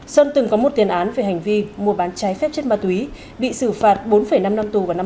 sơn từng có một tiền án về hành vi mua bán trái phép chất ma túy bị xử phạt bốn năm năm tù vào năm hai nghìn một mươi